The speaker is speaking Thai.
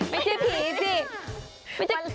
ไม่ใช่ผีสิ